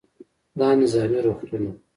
دا نظامي روغتون و.